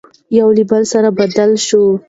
يو له بل سره بدلې شوې،